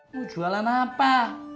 mau jualan apa